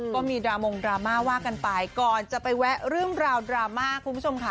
ก็มีดรามงดราม่าว่ากันไปก่อนจะไปแวะเรื่องราวดราม่าคุณผู้ชมค่ะ